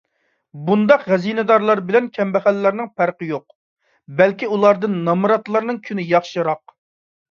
بۇنداق خەزىنىدارلار بىلەن كەمبەغەللەرنىڭ پەرقى يوق. بەلكى ئۇلاردىن نامراتلارنىڭ كۈنى ياخشىراق.